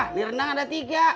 ini rendang ada tiga